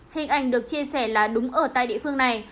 hình ảnh được chia sẻ là đúng ở tại địa phương này